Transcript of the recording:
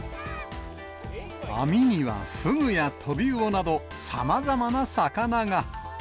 網にはフグやトビウオなど、さまざまな魚が。